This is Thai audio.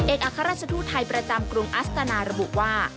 เอกอาคาราชดุไทยประจำกรุงอสตนารบุว่า